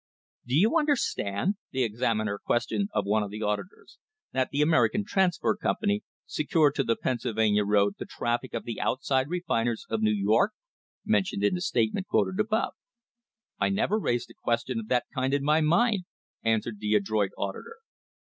"Do you understand," the examiner questioned of one of the auditors, "that the American Transfer Company secured to the Pennsylvania road the traffic of the outside refiners of New York (mentioned in the statement quoted above) ?" "I never raised a question of that kind in my mind," answered the adroit auditor.